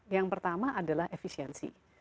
yang pertama adalah efisiensi